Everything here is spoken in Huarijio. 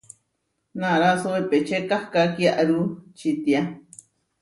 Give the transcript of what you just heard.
Naráso epečé kahká kiarú čitiá.